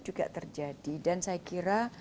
juga terjadi dan saya kira